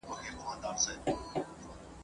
له منځه ولاړې